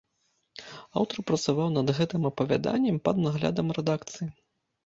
Аўтар працаваў над гэтым апавяданнем пад наглядам рэдакцыі.